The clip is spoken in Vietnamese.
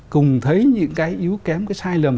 cùng thấy những cái yếu kém cái sai lầm